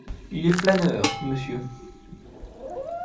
Il est flâneur, monsieur…